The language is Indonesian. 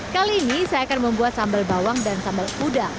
kali ini saya akan membuat sambal bawang dan sambal udang